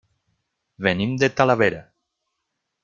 Venim de Talavera.